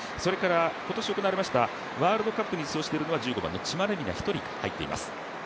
今年行われましたワールドカップに出場しているのは１５番の千葉玲海菜、１人が入っています。